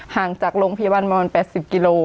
ห่างจากโรงพยาบาลมอน๘๐กิโล